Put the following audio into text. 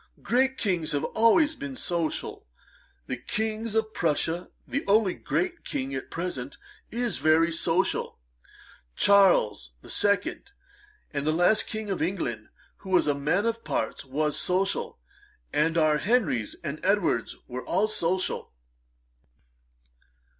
Great Kings have always been social. The King of Prussia, the only great King at present, is very social. Charles the Second, the last King of England who was a man of parts, was social; and our Henrys and Edwards were all social.'